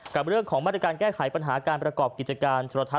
กับเรื่องของมาตรการแก้ไขปัญหาการประกอบกิจการโทรทัศ